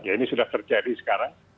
ini sudah terjadi sekarang